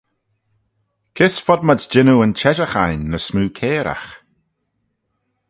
Kys fodmayd jannoo yn çheshaght ain ny smoo cairagh?